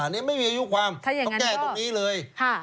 นี่ไม่มีอายุความต้องแก้ตรงนี้เลย